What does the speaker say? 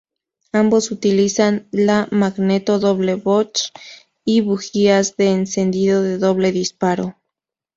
Ambos utilizan la magneto doble Bosch y bujías de encendido de doble disparo.